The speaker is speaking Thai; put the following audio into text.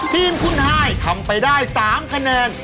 ทีมคุณฮายทำไปได้๓คะแนน